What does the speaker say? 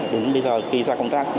đến bây giờ khi ra công tác